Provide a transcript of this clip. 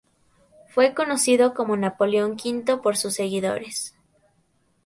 Fue conocido como Napoleón V por sus seguidores.